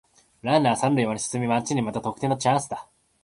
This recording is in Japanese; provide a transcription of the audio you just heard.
ランナー三塁まで進み待ちに待った得点のチャンスだ